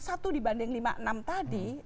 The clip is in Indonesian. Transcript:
satu dibanding lima enam tadi